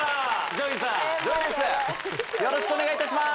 ＪＯＹさんよろしくお願いいたします